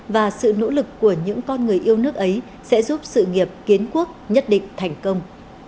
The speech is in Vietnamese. và sự nỗ lực của những con người yêu nước ấy sẽ giúp sự nghiệp kiến quốc nhất định thành công